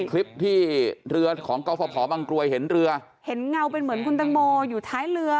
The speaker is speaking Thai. คลิปที่เรือของกรฟภบางกรวยเห็นเรือเห็นเงาเป็นเหมือนคุณตังโมอยู่ท้ายเรือ